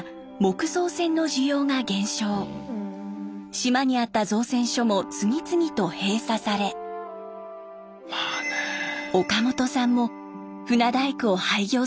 島にあった造船所も次々と閉鎖され岡本さんも船大工を廃業することに。